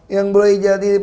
yang boleh jadi entusiast